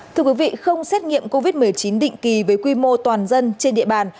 thưa quý vị không xét nghiệm covid một mươi chín định kỳ với quy mô toàn dân trên địa bàn